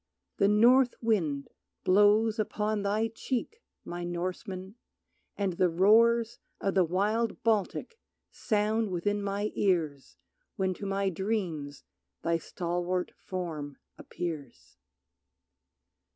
The North wind blows Upon thy cheek, my Norseman, and the roars Of the wild Baltic sound within my ears When to my dreams thy stalwart form appears.